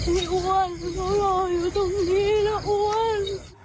มีอ้วนก็มารออยู่ตรงนี้นะอ้วน